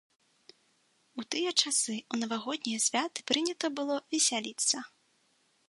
У тыя часы ў навагоднія святы прынята было весяліцца.